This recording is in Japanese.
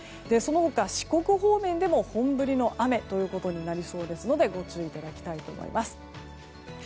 その他、四国方面でも本降りの雨となりそうですのでご注意いただきたいと思います。